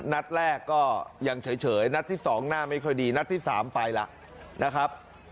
นัดแรกก็ยังเฉยนัดที่๒หน้าไม่ค่อยดีนัดที่๓ไปแล้วนะครับ